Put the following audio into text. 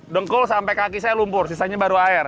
dengkul sampai kaki saya lumpur sisanya baru air